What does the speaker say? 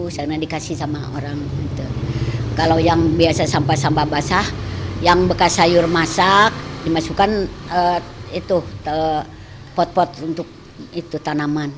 saya dikasih sama orang kalau yang biasa sampah sampah basah yang bekas sayur masak dimasukkan itu pot pot untuk itu tanaman